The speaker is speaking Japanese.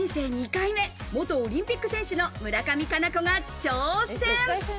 ２回目、元オリンピック選手の村上佳菜子が挑戦。